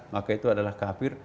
maka itu adalah kafir